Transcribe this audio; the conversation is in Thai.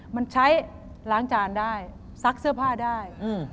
มันใช้ล้างจานได้ซักเสื้อผ้าได้